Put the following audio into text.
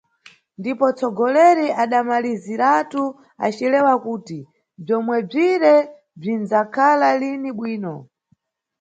Ndipo nʼtsogoleri adamaliziratu acilewa kuti bzomwebzire bzindzakhala lini bwino.